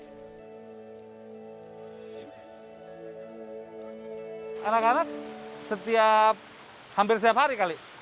anak anak setiap hampir setiap hari kali